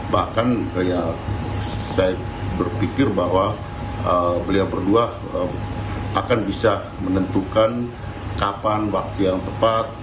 bahkan saya berpikir bahwa beliau berdua akan bisa menentukan kapan waktu yang tepat